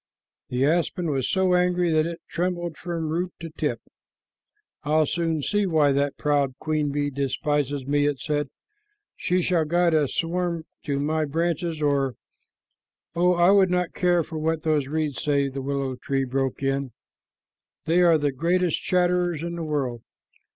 The aspen was so angry that it trembled from root to tip. "I'll soon see why that proud queen bee despises me," it said. "She shall guide a swarm to my branches or" "Oh, I would not care for what those reeds say," the willow tree broke in. "They are the greatest chatterers in the world.